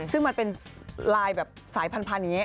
ซึ่งมันเป็นลายแบบสายพันธุ์อย่างนี้